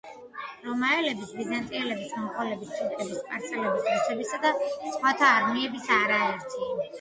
რომაელების, ბიზანტიელების, მონღოლების, თურქების, სპარსელების, რუსებისა და სხვათა არმიების არაერთი